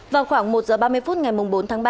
vào khoảng một h ba mươi phút ngày bốn tháng ba